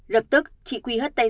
lập tức chị quy hất tay ra